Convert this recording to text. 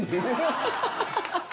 ハハハハ！